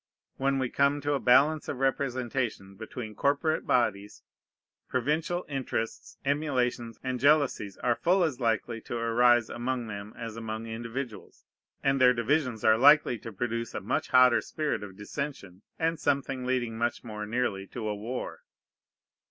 When we come to a balance of representation between corporate bodies, provincial interests, emulations, and jealousies are full as likely to arise among them as among individuals; and their divisions are likely to produce a much hotter spirit of dissension, and something leading much more nearly to a war.